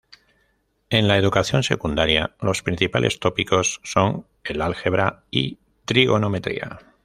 En la educación secundaria, los principales tópicos son el álgebra y trigonometría.